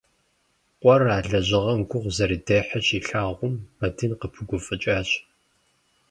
Къуэр, а лэжьыгъэм гугъу зэрыдехьыр щилъагъум, Бэдын къыпыгуфӀыкӀащ.